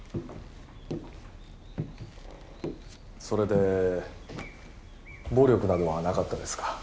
それで暴力などはなかったですか。